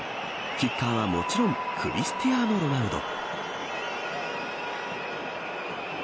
キッカーはもちろんクリスティアーノ・ロナウド。